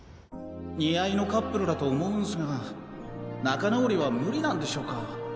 似合いのカップルだと思うんっすが仲直りはムリなんでしょうか？